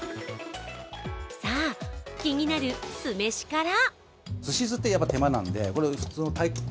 さぁ、気になる酢飯から。